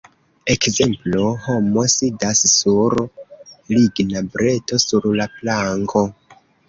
Ekzemplo: Homo sidas sur ligna breto sur la planko.